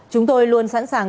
chúng tôi luôn sẵn sàng